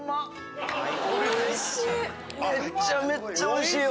おいしい！